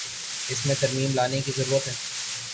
اس میں ترمیم لانے کی ضرورت ہے۔